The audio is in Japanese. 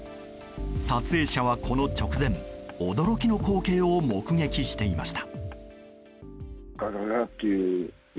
撮影者は、この直前驚きの光景を目撃していました。